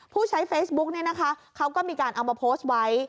ผู้ใช้เฟซบุ๊กเนี่ยนะคะเขาก็มีการเอามาโพสต์ไว้